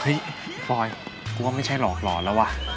เฮ้ยโฟย์กูว่าไม่ใช่หลอกหล่อแล้วว่ะ